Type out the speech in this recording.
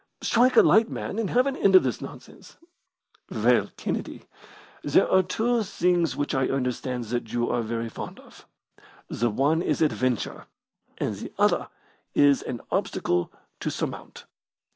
Strike a light, man, and have an end of this nonsense." "Well, Kennedy, there are two things which I understand that you are very fond of. The one is adventure, and the other is an obstacle to surmount.